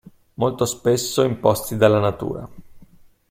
Molto spesso imposti dalla natura.